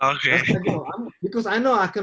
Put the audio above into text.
seperti selama sepuluh tahun kan